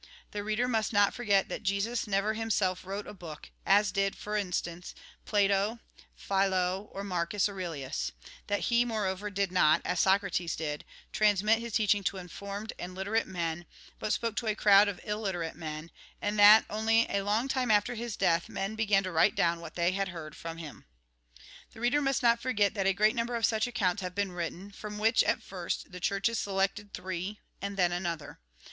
The reader must not forget that Jesus never himself wrote a book, as did, for instance, Plato, Philo, or Marcus Aurelius ; that he, moreover, did not, as Socrates did, transmit his teaching to informed and literate men, but spoke to a crowd of illiterate men ; and that only a long time after his death men began to write down what they had heard from him. The reader must not forget that a great number of such accounts have been written, from which, at first, the Churches selected three, and then another.